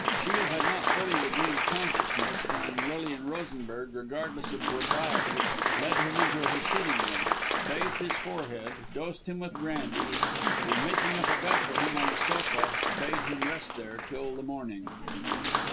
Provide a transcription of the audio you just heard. Shiel had not fully regained consciousness, when Lilian Rosenberg, regardless of propriety, led him into her sitting room, bathed his forehead, dosed him with brandy, and making up a bed for him on the sofa, bade him rest there, till the morning.